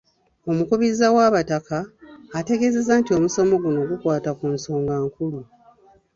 Omukubiriza w’abataka, ategeezezza nti omusomo guno gukwata ku nsonga nkulu.